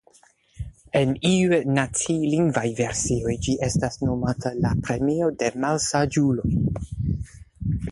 En iuj nacilingvaj versioj ĝi estas nomata la "Premio de malsaĝuloj".